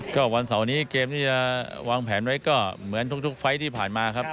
ก็วันเสาร์นี้เกมที่จะวางแผนไว้ก็เหมือนทุกไฟล์ที่ผ่านมาครับ